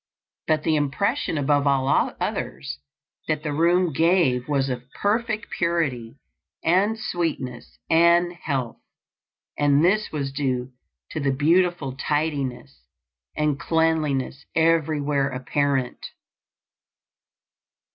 But the impression above all others that the room gave was of perfect purity and sweetness and health; and this was due to the beautiful tidiness and cleanliness everywhere apparent.